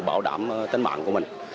bảo đảm tính mạng của mình